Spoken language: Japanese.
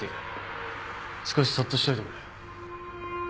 少しそっとしておいてくれ。